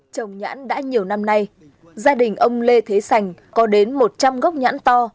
trồng nhãn đã nhiều năm nay gia đình ông lê thế sành có đến một trăm linh gốc nhãn to